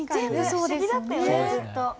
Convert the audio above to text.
不思議だったよねずっと。